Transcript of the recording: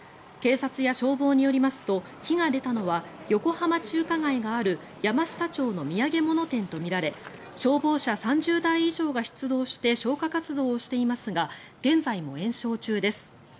警察や消防によりますと火が出たのは横浜中華街がある山下町の土産物店とみられ消防車３０台以上が出動して消火活動をしていますが現在も延焼中です。